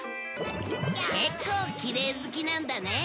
結構きれい好きなんだね